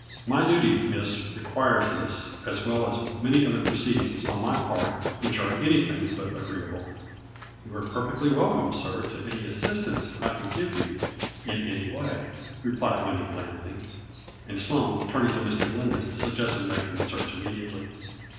My duty, Miss, requires this as well as many other proceedings on my part which are any thing but agreeable." " You are perfectly welcome, sir, to any as sistance I can give you, in 'any way," replied Winnie blandly, and Sloane, turning to Mr. Lindley, suggested making the search imme diately.